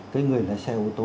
cái người lái xe ô tô